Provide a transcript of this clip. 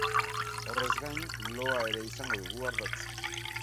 Horrez gain, loa ere izango dugu ardatz.